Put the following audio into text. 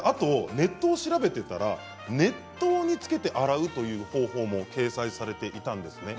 あとネットを調べていたら熱湯につけて洗うという方法も掲載されていたんです。